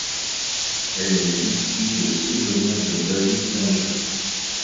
Elle est issue de 'Souvenir de David d'Angers'.